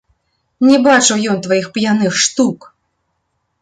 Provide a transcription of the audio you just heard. Не бачыў ён тваіх п'яных штук!